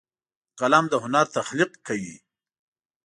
قلم د هنر تخلیق کوي